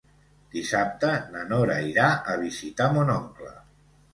Dissabte na Nora irà a visitar mon oncle.